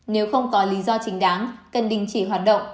nếu không có lý do chính đáng cần đình chỉ hoạt động